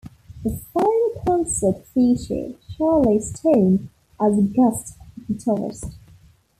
The final concert featured Charley Stone as guest guitarist.